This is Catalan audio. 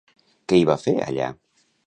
Què hi va fer allà?